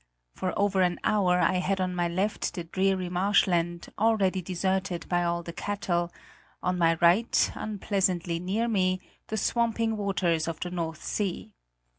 For over an hour I had on my left the dreary marshland, already deserted by all the cattle; on my right, unpleasantly near me, the swamping waters of the North Sea.